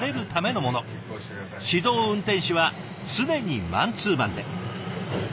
指導運転士は常にマンツーマンで。